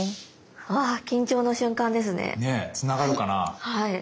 うわ緊張の瞬間ですね。